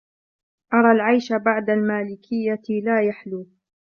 أرى العيش بعد المالكية لا يحلو